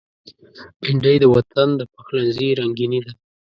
بېنډۍ د وطن د پخلنځي رنگیني ده